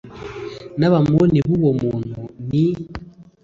n abamoni b uwo muntu ni